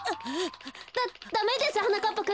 ダダメですはなかっぱくん。